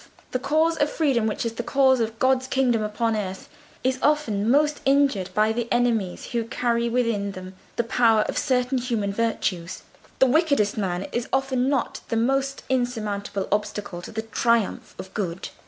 The cause of freedom, which is the cause of God's kingdom upon earth, is often most injured by the enemies who carry within them the power of certain human virtues. The wickedest man is often not the most insurmountable obstacle to the triumph of good."